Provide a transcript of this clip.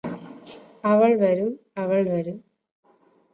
അവള് വരും അവള് വരും